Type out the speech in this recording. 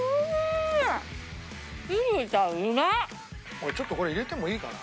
俺ちょっとこれ入れてもいいかな？